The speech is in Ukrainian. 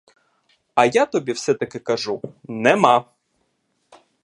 А я тобі все-таки кажу — нема!